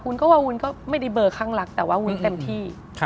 ก็ว่าวุ้นก็ไม่ได้เบอร์ข้างรักแต่ว่าวุ้นเต็มที่